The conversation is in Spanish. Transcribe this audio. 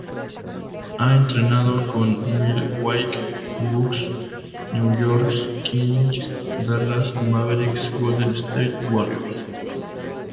Ha entrenado a Milwaukee Bucks, New York Knicks, Dallas Mavericks y Golden State Warriors.